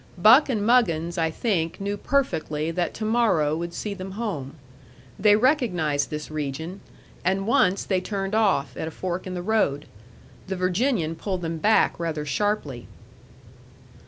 Buck and Muggins, I think, knew perfectly that to morrow would see them home. They recognized this region; and once they turned off at a fork in the road. The Virginian pulled them back rather sharply.